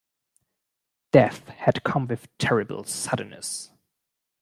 Death had come with terrible suddenness.